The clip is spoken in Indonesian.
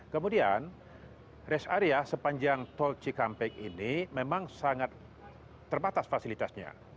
kemudian rest area sepanjang tol cikampek ini memang sangat terbatas fasilitasnya